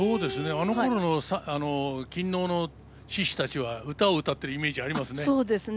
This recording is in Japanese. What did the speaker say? あのころの勤王の志士たちは唄をうたってるイメージありますね。